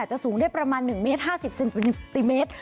สูงได้ประมาณ๑เมตร๕๐เซนติเมตร